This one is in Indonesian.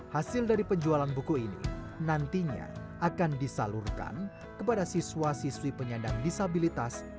hasil dari penjualan buku ini nantinya akan disalurkan kepada siswa siswi penyandang disabilitas